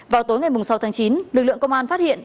vào tối ngày sáu tháng chín lực lượng công an phát hiện